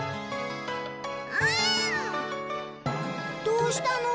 どうしたの？